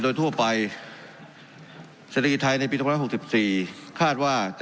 โดยทั่วไปเศรษฐคิดไทยในปีสามหกสิบสี่คาดว่าจะ